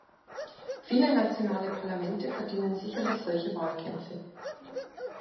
Viele nationale Parlamente verdienen sicherlich solche Wahlkämpfe.